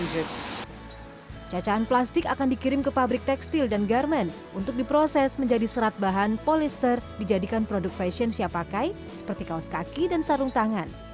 cacahan plastik akan dikirim ke pabrik tekstil dan garmen untuk diproses menjadi serat bahan polyster dijadikan produk fashion siap pakai seperti kaos kaki dan sarung tangan